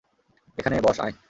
এখানে বস, আয়!